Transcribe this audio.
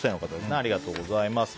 ありがとうございます。